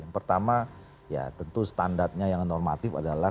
yang pertama ya tentu standarnya yang normatif adalah